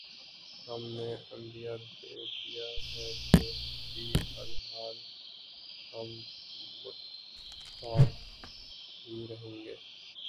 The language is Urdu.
ہم نے عندیہ دے دیا ہے کہ فی الحال ہم محتاط ہی رہیں گے۔